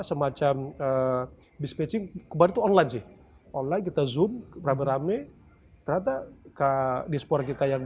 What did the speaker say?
semacam bis versucht kebarut online sih online kita zoom beramai beramai pernah kak di sebuah kita yang